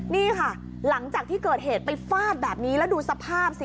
นี่ค่ะหลังจากที่เกิดเหตุไปฟาดแบบนี้แล้วดูสภาพสิ